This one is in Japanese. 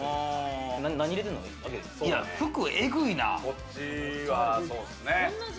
服えぐいな。